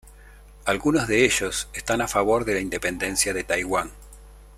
Algunos de ellos están a favor de la independencia de Taiwán.